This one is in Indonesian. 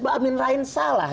bahwa amin rain salah